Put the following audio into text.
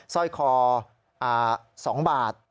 สร้อยคอ๒บาท